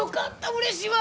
うれしいわ！